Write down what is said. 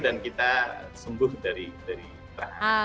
dan kita sembuh dari perasaan